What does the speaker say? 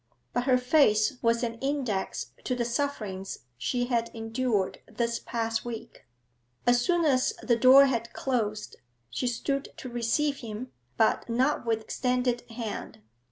But her face was an index to the sufferings she had endured this past week. As soon as the door had closed, she stood to receive him, but not with extended hand.